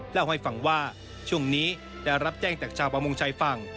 เล่าให้ฟังว่าช่วงนี้ได้รับแจ้งจากชาวประมงชายฝั่ง